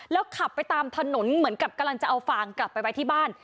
แล้วขับไปตามถนนเหมือนกับกำลังจะเอาฟางกลับไปไว้ที่บ้าน